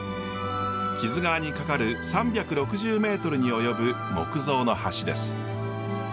木津川にかかる３６０ｍに及ぶ木造の橋です。